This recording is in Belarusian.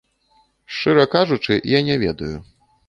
Шчыра кажучы, я не ведаю.